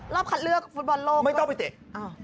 รอบขัดเรือกฟุตบอลโลกส์เขาไม่ต้องไปเตะ